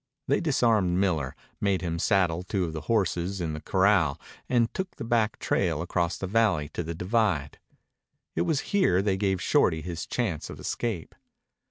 They disarmed Miller, made him saddle two of the horses in the corral, and took the back trail across the valley to the divide. It was here they gave Shorty his chance of escape.